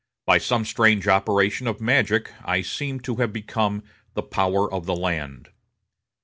By some strange operation of magic I seem to have become the power of the land."